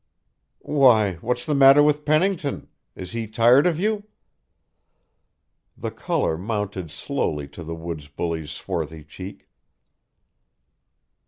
"Why, what's the matter with Pennington? Is he tired of you?" The colour mounted slowly to the woods bully's swarthy cheek.